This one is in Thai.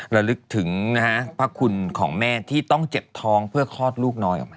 ระลึกถึงนะฮะพระคุณของแม่ที่ต้องเจ็บท้องเพื่อคลอดลูกน้อยออกมา